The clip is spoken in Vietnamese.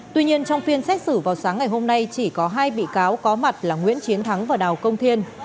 tuy nhiên trong phiên xét xử vào sáng ngày hôm nay chỉ có hai bị cáo có mặt là nguyễn chiến thắng và đào công thiên